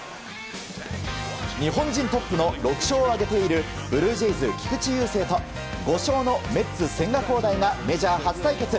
日本人トップの６勝を挙げているブルージェイズ、菊池雄星と５勝のメッツ、千賀滉大がメジャー初対決。